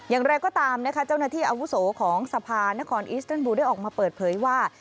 อย่างไรก็ตามนะคะเจ้าหน้าที่อาวุโสของสะพานนครอิสเติลบูลได้ออกมาเปิดเผยว่า